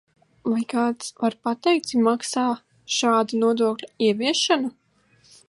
Vai kāds var pateikt, cik izmaksā šāda nodokļa ieviešana?